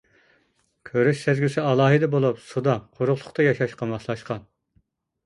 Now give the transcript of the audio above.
كۆرۈش سەزگۈسى ئالاھىدە بولۇپ، سۇدا، قۇرۇقلۇقتا ياشاشقا ماسلاشقان.